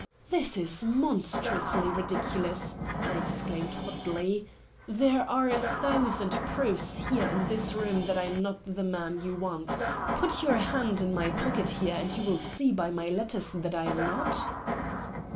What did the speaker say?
"This is monstrously ridiculous," I exclaimed hotly. "There are a thousand proofs here in this room that I am not the man you want. Put your hand in my pocket here and you will see by my letters that I am not."